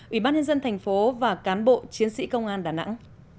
ủy ban nhân dân thành phố và cán bộ chiến sĩ công an đà nẵng